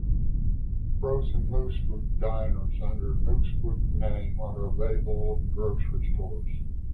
Frozen Moosewood dinners under the Moosewood name are available in grocery stores.